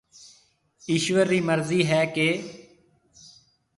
ايشوَر رِي مرضِي هيَ ڪيَ